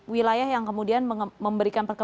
wilayah yang kemudian memberikan